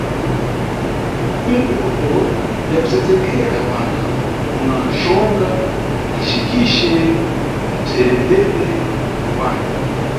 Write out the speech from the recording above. Kumbuto ya kusendzekera wana kuna xonga, nkixekixe, mʼpsherendende wa wana.